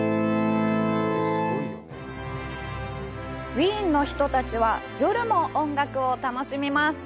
ウィーンの人たちは、夜も音楽を楽しみます。